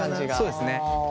そうですね。